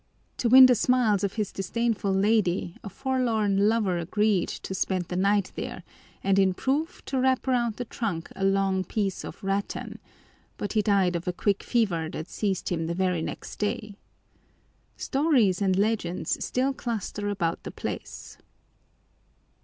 To win the smiles of his disdainful lady, a forlorn lover agreed to spend the night there and in proof to wrap around the trunk a long piece of rattan, but he died of a quick fever that seized him the very next day. Stories and legends still cluster about the place.